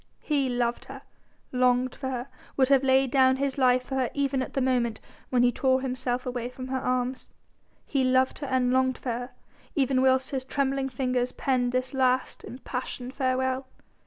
He loved her, longed for her, would have laid down his life for her even at the moment when he tore himself away from her arms. He loved her and longed for her even whilst his trembling fingers penned this last impassioned farewell.